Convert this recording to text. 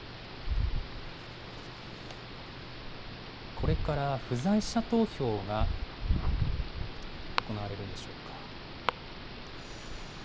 これから不在者投票が行われるんでしょうか。